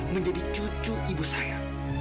menjadi cucu ibu saya